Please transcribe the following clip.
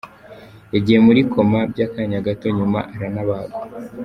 Yagiye muri ’coma’ by’akanya gato nyuma aranabagwa.